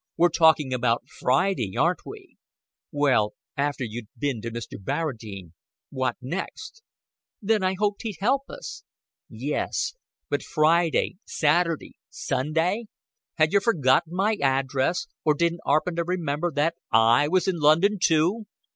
We're talking about Friday, aren't we? Well, after you'd bin to Mr. Barradine, what next?" "Then I hoped he'd help us." "Yes, but Friday, Saturday, Sunday? Had yer forgotten my address or didn' 'aarpen to remember that I was in London, too?"